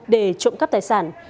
để trộm cắp tài sản